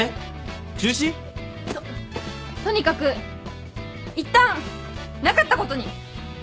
とっとにかくいったんなかったことに！